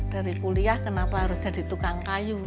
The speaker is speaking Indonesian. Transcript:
dari kuliah kenapa harus jadi tukang kayu